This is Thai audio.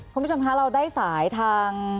คุณผู้ชมคะเราได้สายทาง